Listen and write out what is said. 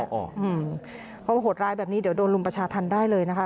เพราะโหดร้ายแบบนี้เดี๋ยวโดนรุมประชาธรรมได้เลยนะคะ